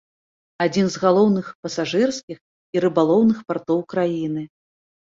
Адзін з галоўных пасажырскіх і рыбалоўных партоў краіны.